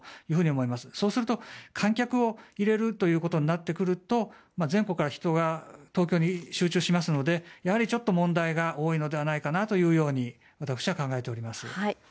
そうすると、観客を入れるということになってくると全国から人が東京に集中しますので問題が多いのではないかと私は考えております。